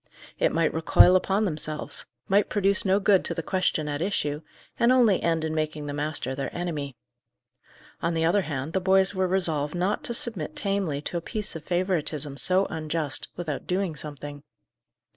It might recoil upon themselves; might produce no good to the question at issue, and only end in making the master their enemy. On the other hand, the boys were resolved not to submit tamely to a piece of favouritism so unjust, without doing something.